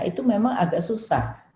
itu memang agak susah